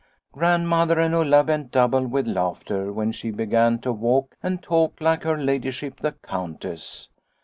" Grandmother and Ulla bent double with laughter when she began to walk and talk like her ladyship the Countess.